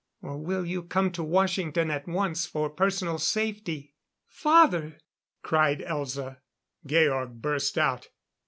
Or will you come to Washington at once for personal safety?"_ "Father!" cried Elza. Georg burst out.